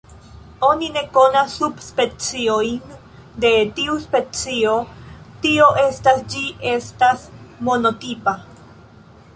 Oni ne konas subspeciojn de tiu specio, tio estas ĝi estas monotipa.